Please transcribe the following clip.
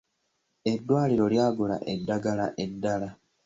Eddwaliro lyagula eddagala eddala.